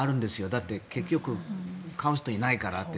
だって、結局買う人がいないからって。